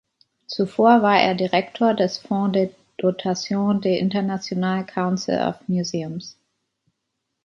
Zuvor war er Direktor des Fonds de dotation des International Council of Museums.